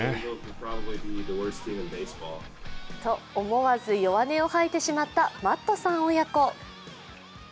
思わず弱音を吐いてしまったマットさん親子。